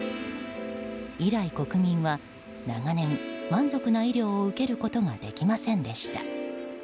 以来、国民は長年、満足な医療を受けることができませんでした。